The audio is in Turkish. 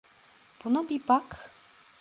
Buna bir bak.